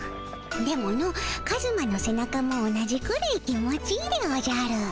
でものカズマの背中も同じくらい気持ちいいでおじゃる。